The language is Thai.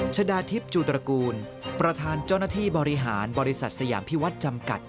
ชนะทิพย์จูตระกูลประธานเจ้าหน้าที่บริหารบริษัทสยามพิวัฒน์จำกัด